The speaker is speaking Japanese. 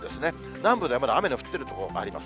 南部では今雨が降っている所もあります。